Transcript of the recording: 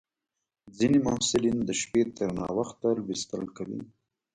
ځینې محصلین د شپې تر ناوخته لوستل کوي.